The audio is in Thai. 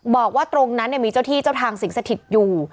บอกว่าตรงนั้นมีเจ้าที่เจ้าทางสิงสถิตอยู่